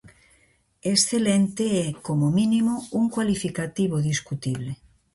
Excelente é, como mínimo, un cualificativo discutible.